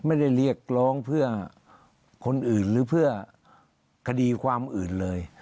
เรียกร้องเพื่อคนอื่นหรือเพื่อคดีความอื่นเลย